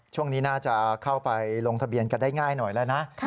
ช่วงนี้น่าจะเข้าไปลงทะเบียนกันได้ง่ายหน่อยแล้วนะ